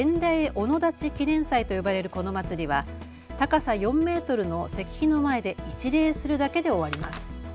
御野立記念祭と呼ばれるこの祭りは高さ４メートルの石碑の前で一礼するだけで終わります。